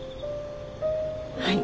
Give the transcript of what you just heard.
はい。